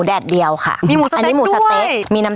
อันนี้แกงครัวหอยขม